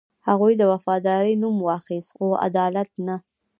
هغوی د وفادارۍ نوم اخیسته، خو عدالت نه.